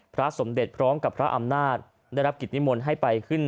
พระสมเด็จพร้อมกับพระอำนาจได้รับกิจนิมนต์ให้ไปขึ้น